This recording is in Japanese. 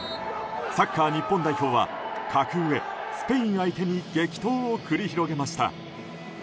サッカー日本代表は格上、スペイン相手に激闘を繰り広げました。